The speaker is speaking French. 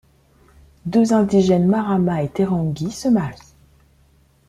Deux indigènes Marama et Terangi se marient.